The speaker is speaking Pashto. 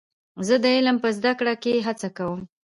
زه د علم په زده کړه کې هڅه کوم.